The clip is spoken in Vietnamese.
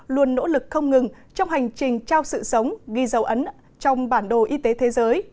luôn nỗ lực không ngừng trong hành trình trao sự sống ghi dấu ấn trong bản đồ y tế thế giới